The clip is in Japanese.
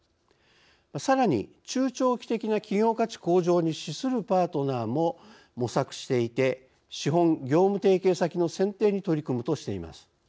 さらに中長期的な企業価値向上に資するパートナーも模索していて資本・業務提携先の選定に取り組むとしています。